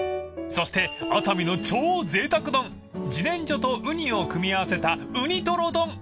［そして熱海の超贅沢丼自然薯とウニを組み合わせた雲丹とろ丼］